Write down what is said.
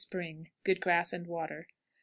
Spring. Good grass and water. 22 1/4.